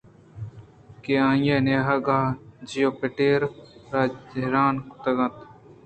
کہ آئی ءِ نیاہگءَجیوپیٹرءَرا حیران کُتگ ات